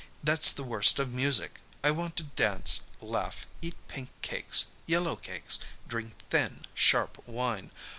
That's the worst of music! I want to dance, laugh, eat pink cakes, yellow cakes, drink thin, sharp wine.